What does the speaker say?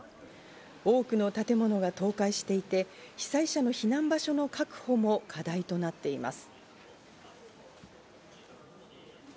多くの建物が倒壊していて、被災者の避難場所の確保も課題となっています。